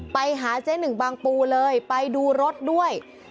ไปหาเจ๊หนึ่งบางปูเลยไปดูรถด้วย